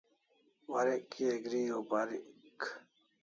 Warek kia gri o parik